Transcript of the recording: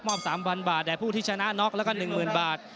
๓๐๐บาทแด่ผู้ที่ชนะน็อกแล้วก็๑๐๐๐บาท